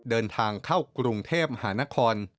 เดินทางเข้ากรุงเทพมหานคร